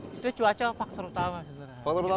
maka mereka akan memilih area lain yang lebih aman